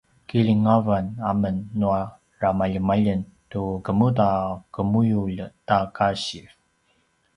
kilingavan amen nua ramaljemaljeng tu kemuda a qemuyulj ta kasiv